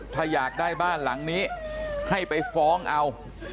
ถ้าอยากได้บ้านหลังนี้ให้ไปฟ้องเอา